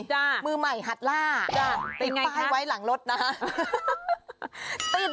จ้ะมือใหม่หัดล่าเป็นป้ายไว้หลังรถนะฮะเป็นไงคะ